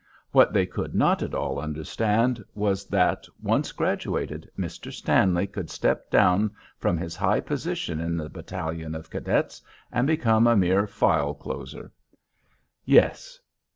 What they could not at all understand was that, once graduated, Mr. Stanley could step down from his high position in the battalion of cadets and become a mere file closer. Yes.